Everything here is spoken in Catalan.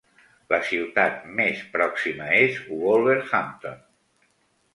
La ciutat més pròxima és Wolverhampton.